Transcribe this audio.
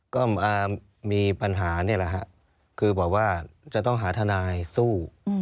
ก็มีปัญหานี่แหละฮะคือบอกว่าจะต้องหาทนายสู้